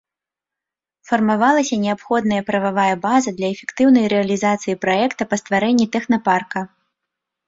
Фармавалася неабходная прававая база для эфектыўнай рэалізацыі праекта па стварэнні тэхнапарка.